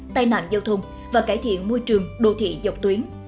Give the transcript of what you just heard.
tai nạn giao thông và cải thiện môi trường đô thị dọc tuyến